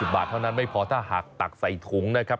บาทเท่านั้นไม่พอถ้าหากตักใส่ถุงนะครับ